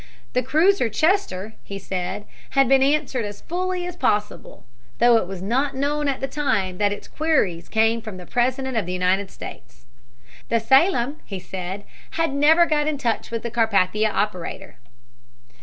The cruiser Chester, he said, had been answered as fully as possible, though it was not known at the time that its queries came from the President of the United States. The Salem, he said, had never got in touch with the Carpathia operator.